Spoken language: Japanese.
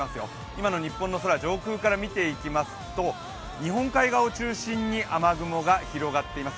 今の日本の空、上空から見ていきますと日本海側を中心に雨雲が広がっています。